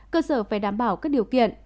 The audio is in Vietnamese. cơ sở phải đảm bảo các điều kiện